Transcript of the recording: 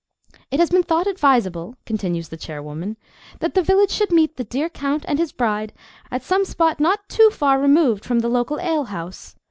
It has been thought advisable," continues the chairwoman, "that the village should meet the dear Count and his bride at some spot not too far removed from the local alehouse.